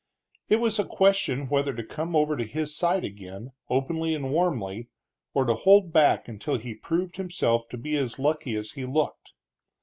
It was a question whether to come over to his side again, openly and warmly, or to hold back until he proved himself to be as lucky as he looked.